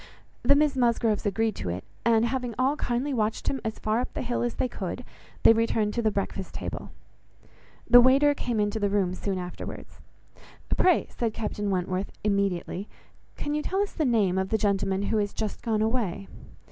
The Miss Musgroves agreed to it; and having all kindly watched him as far up the hill as they could, they returned to the breakfast table. The waiter came into the room soon afterwards. "Pray," said Captain Wentworth, immediately, "can you tell us the name of the gentleman who is just gone away?"